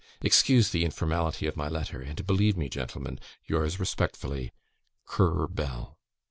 "Excuse the informality of my letter, and believe me, Gentlemen, yours respectfully, CURRER BELL."